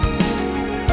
menjaga kemampuan bapak